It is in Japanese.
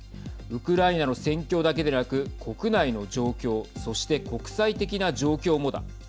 ウクライナの戦況だけでなく国内の状況そして国際的な状況もだ。